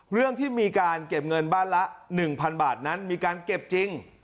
เรื่องที่มีการเก็บเงินบ้านละ๑๐๐๐บาทนั้นมีการเก็บจริง